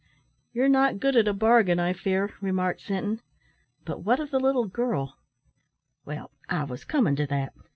"You're not good at a bargain, I fear," remarked Sinton; "but what of the little girl?" "Well, I wos comin' to that.